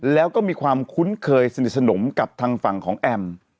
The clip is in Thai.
แล้วก็มีความคุ้นเคยสนิทสนมกับทางฝั่งของแอม